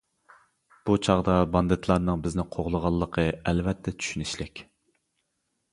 بۇ چاغدا باندىتلارنىڭ بىزنى قوغلىغانلىقى، ئەلۋەتتە، چۈشىنىشلىك.